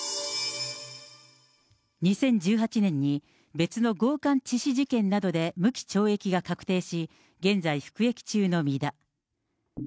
２０１８年に別の強かん致死事件などで、無期懲役が確定し、現在服役中の身だ。